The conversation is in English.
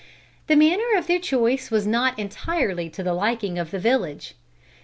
The manner of their choice was not entirely to the liking of the village.